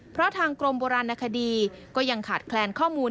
เพราะทางกรมโบราณคดีก็ยังขาดแคลนข้อมูล